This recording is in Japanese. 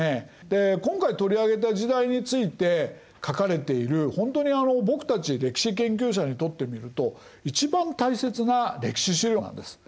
で今回取り上げた時代について書かれているほんとに僕たち歴史研究者にとってみると一番大切な歴史資料なんです。